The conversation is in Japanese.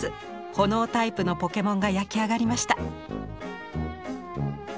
ほのおタイプのポケモンが焼き上がりました。